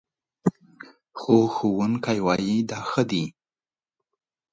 خو استاد وايي دا ښه دي